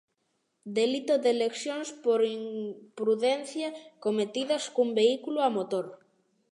Delito de lesións por imprudencia cometidas cun vehículo a motor.